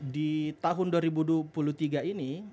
di tahun dua ribu dua puluh tiga ini